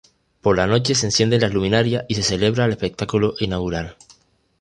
Por la noche se encienden las luminarias y se celebra el espectáculo inaugural.